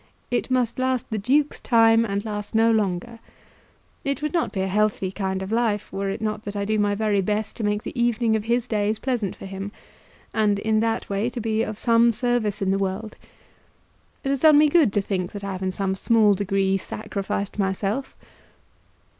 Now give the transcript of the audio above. It must last the Duke's time, and last no longer. It would not be a healthy kind of life were it not that I do my very best to make the evening of his days pleasant for him, and in that way to be of some service in the world. It has done me good to think that I have in some small degree sacrificed myself.